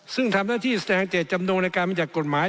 ซึ่งทำได้ที่แสดงเจตจำนวนในการมีจากกฎหมาย